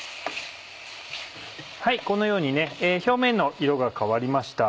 このように表面の色が変わりました。